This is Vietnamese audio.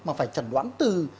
mà phải chẩn đoán từ